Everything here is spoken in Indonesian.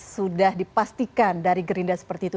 sudah dipastikan dari gerindra seperti itu